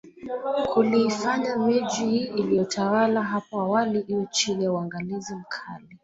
Kuliifanya miji hii iliyojitawala hapo awali iwe chini ya uangalizi mkali